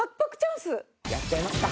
やっちゃいますか？